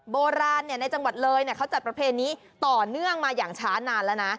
โบราณในจังหวัดเลยเขาจัดประเพณีต่อเนื่องมาอย่างช้านานแล้วนะ